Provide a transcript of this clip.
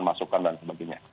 masukan dan sebagainya